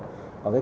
còn cầu hiện nay